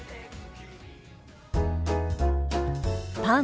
「パン」。